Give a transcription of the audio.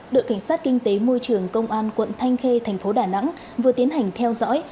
đội cảnh sát kinh tế môi trường công an quận thanh khê thành phố đà nẵng vừa tiến hành theo dõi